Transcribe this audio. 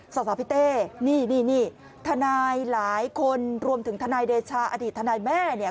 สาวพี่เต้นี่นี่ทนายหลายคนรวมถึงทนายเดชาอดีตทนายแม่เนี่ย